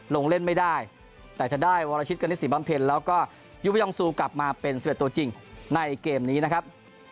ลงเล่นไม่ได้แต่จะได้วรชิตกณิสิบำเพ็ญแล้วก็ยูบยองซูกลับมาเป็น๑๑ตัวจริงในเกมนี้นะครับ